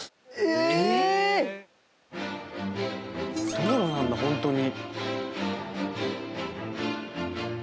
道路なんだホントに。